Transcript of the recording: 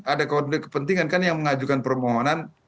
ada konflik kepentingan kan yang mengajukan permohonan